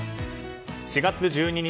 ４月１２日